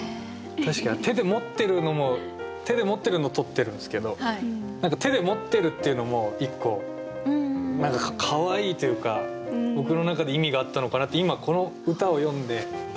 確かに手で持ってるのも手で持ってるの撮ってるんですけど何か手で持ってるっていうのも１個かわいいというか僕の中で意味があったのかなって今この歌を読んでそう思いました。